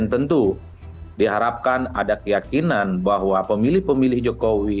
dan tentu diharapkan ada keyakinan bahwa pemilih pemilih jokowi